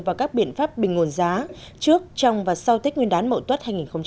và các biện pháp bình nguồn giá trước trong và sau tết nguyên đán mậu tuất hai nghìn một mươi tám